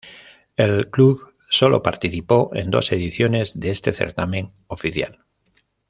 El club solo participó en dos ediciones de este certamen oficial.